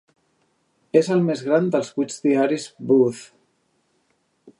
És el més gran dels vuit diaris Booth.